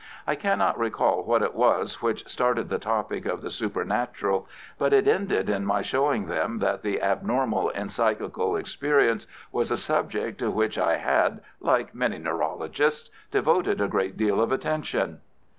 I cannot recall what it was which started the topic of the supernatural, but it ended in my showing them that the abnormal in psychical experiences was a subject to which I had, like many neurologists, devoted a great deal of attention.